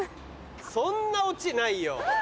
そんなオチないよ。